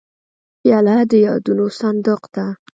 پیاله د یادونو صندوق ده.